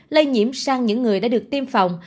lây nhiễm sang những người đã được tiêm phòng